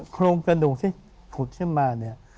โครงกรหนุที่ขุดขึ้นมา